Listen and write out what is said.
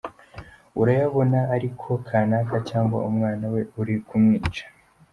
Urayabona ariko kanaka cyangwa umwana we uri kumwica.